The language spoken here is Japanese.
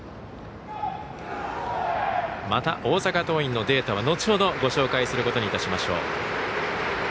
また、大阪桐蔭のデータは後ほどご紹介することにいたしましょう。